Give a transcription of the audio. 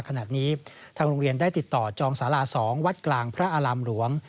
ขณะนี้ทางโรงเรียนได้ติดต่อจองสารา๒วัดกลางพระอารามหลวง